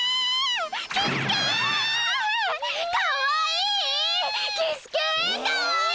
かわいい！